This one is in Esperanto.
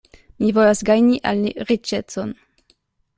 Mi volas gajni al li riĉecon.